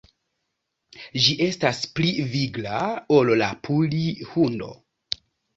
Ĝi estas pli vigla ol la puli-hundo.